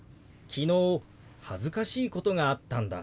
昨日恥ずかしいことがあったんだ。